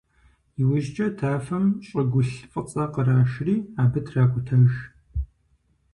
ИужькӀэ тафэм щӀыгулъ фӀыцӀэ кърашри абы тракӀутэж.